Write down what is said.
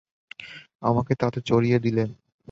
আমাকে তাতে চড়িয়ে দিলেন।